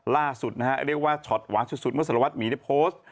ล่าสุดนะฮะเรียกว่าช็อตหวานสุดเมื่อสารวัตรหมีได้โพสต์